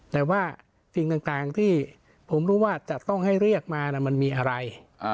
แต่ว่าสิ่งต่างที่ผมรู้ว่าจะต้องให้เรียกมามันมีอะไร